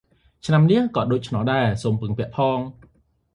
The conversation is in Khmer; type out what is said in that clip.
ឆ្នាំនេះក៏ដូច្នេះដែរ សូមពឹងពាក់ផង ។